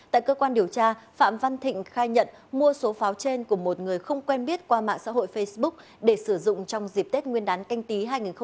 tại cơ quan điều tra phạm văn thịnh khai nhận mua số pháo trên của một người không quen biết qua mạng xã hội facebook để sử dụng trong dịp tết nguyên đán canh tí hai nghìn hai mươi